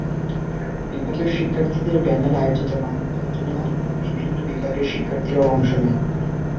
বিভাগের শিক্ষার্থীদের ব্যানারে আয়োজিত মানববন্ধনে অন্য বিভিন্ন বিভাগের শিক্ষার্থীরাও অংশ নেন।